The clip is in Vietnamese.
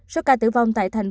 số ca tử vong tại tp hcm